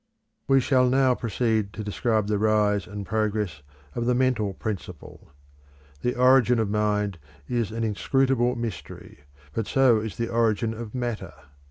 We shall now proceed to describe the rise and progress of the mental principle. The origin of mind is an inscrutable mystery, but so is the origin of matter.